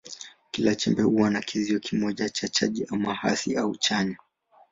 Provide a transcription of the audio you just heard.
Kila chembe huwa na kizio kimoja cha chaji, ama hasi au chanya.